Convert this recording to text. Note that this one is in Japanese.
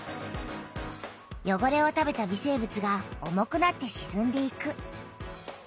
よごれを食べた微生物が重くなってしずんでいく。